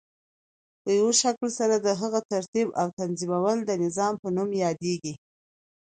په یوه شکل سره د هغی ترتیب او تنظیمول د نظام په نوم یادیږی.